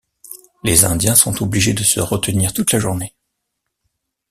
Les Indiens sont obligés de se retenir toute la journée.